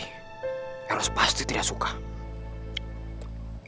saya tidak boleh membicarakan sopi